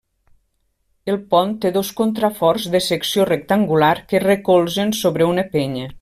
El pont té dos contraforts de secció rectangular que es recolzen sobre una penya.